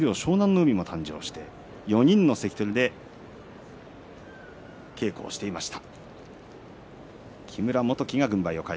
海も誕生して４人の関取で稽古をしていました。